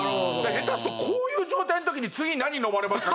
下手するとこういう状態の時に「次何飲まれますか？」